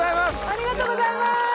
ありがとうございます！